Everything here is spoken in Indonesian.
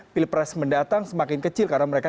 pilpres mendatang semakin kecil karena mereka